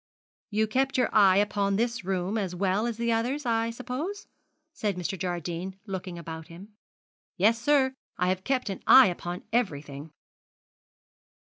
'You kept your eye upon this room as well as the others, I suppose,' said Mr. Jardine, looking about him. 'Yes, sir, I have kept an eye upon everything.'